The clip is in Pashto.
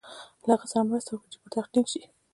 له هغه سره مرسته وکړي چې پر تخت ټینګ شي.